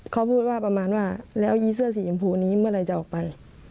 เขาพูดว่าประมาณว่าแล้วยีเสื้อสีชมพูนี้เมื่อไหร่จะออกไป